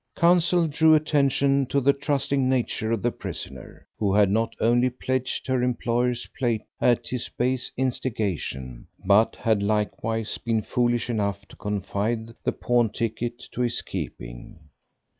Counsel drew attention to the trusting nature of the prisoner, who had not only pledged her employer's plate at his base instigation, but had likewise been foolish enough to confide the pawn ticket to his keeping.